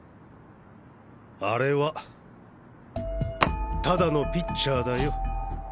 あれはただのピッチャーだよ。